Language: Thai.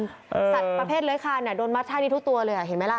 สัตว์ประเภทเลื้อยคานโดนมัดท่านี้ทุกตัวเลยเห็นไหมล่ะ